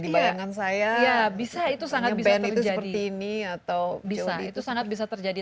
dibayangkan saya ya bisa itu sangat bisa terjadi yang band itu seperti ini atau jodie itu sangat bisa terjadi